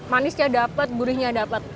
manisnya dapat gurihnya dapat